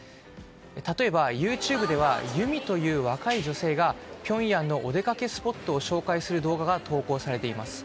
例えばＹｏｕＴｕｂｅではユミという若い女性がピョンヤンのお出かけスポットを紹介する動画が投稿されています。